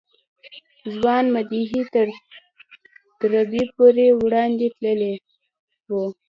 ځوان مدعي تر دربي پورې وړاندې تللی و.